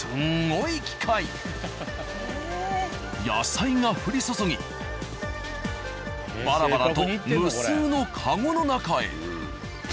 野菜が降り注ぎバラバラと無数のかごの中へ。